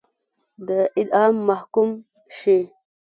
د اعدام محکوم شي.